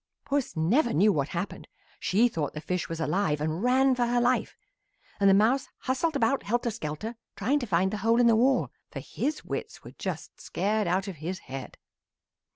"Puss never knew what happened. She thought the fish was alive and ran for her life, and the mouse hustled about helter skelter trying to find the hole in the wall, for his wits were just scared out of his head.